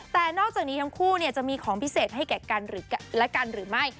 แต่นอกจากนี้ทั้งคู่จะมีของพิเศษให้แก่กันและกันหรือไม่